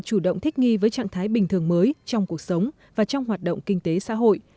chủ động thích nghi với trạng thái bình thường mới trong cuộc sống và trong hoạt động kinh tế xã hội